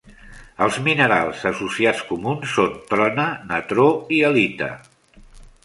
Els minerals associats comuns són trona, natró i halita.